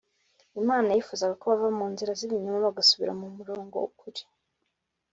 imana yifuzaga ko bava mu nzira z’ibinyoma bagasubira mu murongo w’ukuri